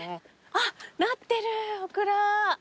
なってるオクラ。